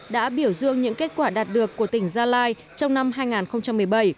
đã biểu dương những kết quả đạt được của tỉnh gia lai trong năm hai nghìn một mươi bảy